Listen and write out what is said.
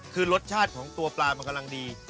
คือรสชาติของตัวปลามันกำลังดี